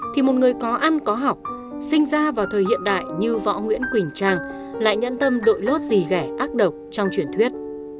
thì một người có ăn có học sinh ra vào thời hiện đại như võ nguyễn quỳnh trang lại nhẫn tâm đội lốt gì ghẻ ác độc trong truyền thuyết